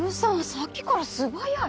さっきから素早い。